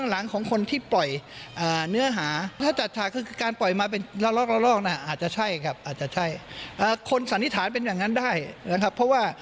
และปล่อยอีกอันหนึ่งออกมา